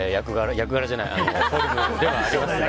役柄じゃないフォルムではありますが。